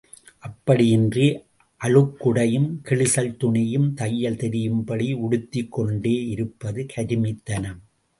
அப்படியின்றி, அழுக்குடையும் கிழிசல் துணியும் தையல் தெரியும்படி உடுத்திக் கொண்டே இருப்பது கருமித்தனம்.